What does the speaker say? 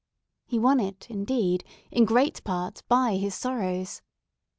He won it indeed, in great part, by his sorrows.